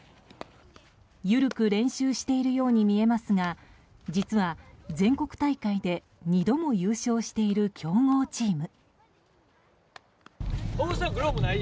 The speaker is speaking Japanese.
緩く練習しているように見えますが実は、全国大会で２度も優勝している強豪チーム。